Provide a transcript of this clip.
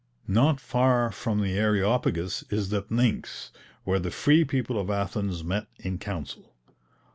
Not far from the Areopagus is the Pnyx, where the free people of Athens met in council.